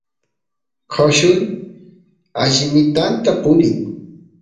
coshul allimitanta purin